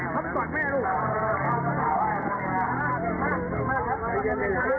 ไม่ตอบแม่ลูกอ่ะ